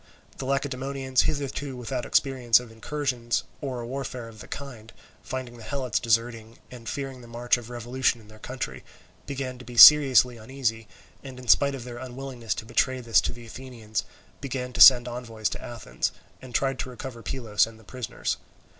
The Lacedaemonians, hitherto without experience of incursions or a warfare of the kind, finding the Helots deserting, and fearing the march of revolution in their country, began to be seriously uneasy, and in spite of their unwillingness to betray this to the Athenians began to send envoys to Athens, and tried to recover Pylos and the prisoners.